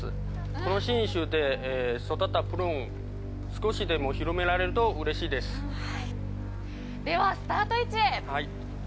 この信州で育ったプルーン、少しでも広められるとうれしいででは、スタート位置へ。